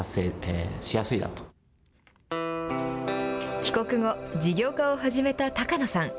帰国後、事業化を始めた高野さん。